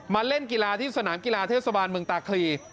เล่นกีฬาที่สนามกีฬาเทศบาลเมืองตาคลี